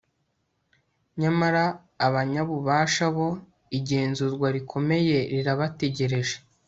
nyamara abanyabubasha bo, igenzurwa rikomeye rirabategereje